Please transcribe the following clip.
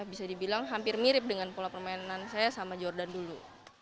bisa dibilang hampir mirip dengan pola permainan saya sama jordan dulu